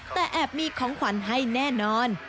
แต่แอบมีของขวัญให้แน่นอน